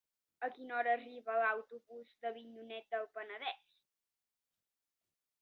A quina hora arriba l'autobús d'Avinyonet del Penedès?